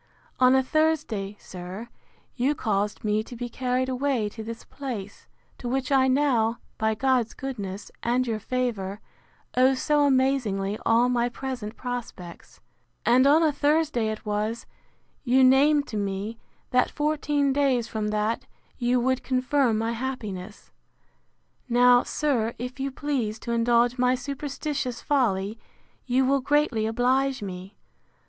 On a Thursday, sir, you caused me to be carried away to this place, to which I now, by God's goodness, and your favour, owe so amazingly all my present prospects; and on a Thursday it was, you named to me, that fourteen days from that you would confirm my happiness. Now, sir, if you please to indulge my superstitious folly, you will greatly oblige me.